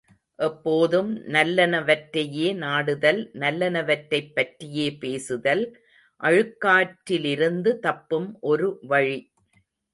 எப்போதும் நல்லனவற்றையே நாடுதல், நல்லனவற்றைப் பற்றியே பேசுதல் அழுக்காற்றிலிருந்து தப்பும் ஒரு வழி.